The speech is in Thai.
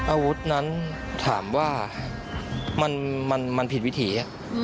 อาวุธนั้นถามว่ามันผิดวิถี